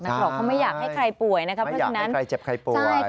เขาไม่อยากให้ใครป่วยนะครับ